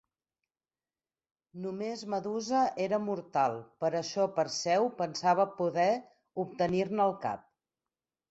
Només Medusa era mortal, i per això Perseu pensava poder obtenir-ne el cap.